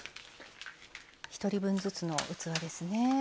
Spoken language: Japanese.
１人分ずつの器ですね。